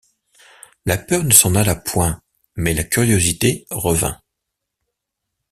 La peur ne s’en alla point, mais la curiosité revint.